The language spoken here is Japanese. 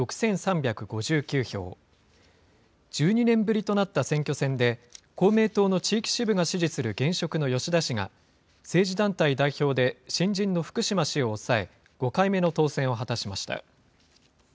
１２年ぶりとなった選挙戦で、公明党の地域支部が支持する現職の吉田氏が、政治団体代表で新人の福島氏を抑え、５回目の当選を果たしました。